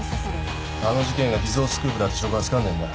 あの事件が偽造スクープだって証拠はつかんでるんだ。